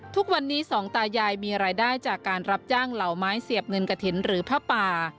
ทุกวันนี้สองตายายมีรายได้จากการรับจ้างเหล่าไม้เสียบเงินกระถิ่นหรือผ้าป่า